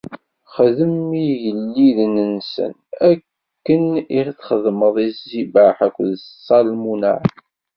Xdem i yigelliden-nsen akken i txedmeḍ i Zibaḥ akked Ṣalmunaɛ.